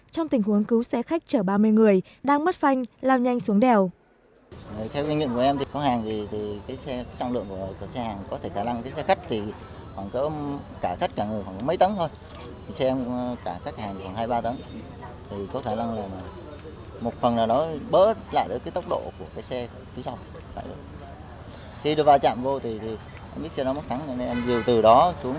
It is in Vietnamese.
trong tình huống cứu xe khách chở ba mươi người đang mất phanh lao nhanh xuống đèo